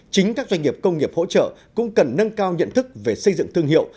chính các doanh nghiệp công nghiệp hỗ trợ cũng cần nâng cao nhận thức về xây dựng thương hiệu